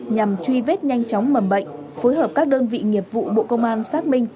nhằm truy vết nhanh chóng mầm bệnh phối hợp các đơn vị nghiệp vụ bộ công an xác minh